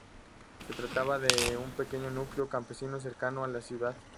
Se trataba de un pequeño núcleo campesino cercano a la ciudad.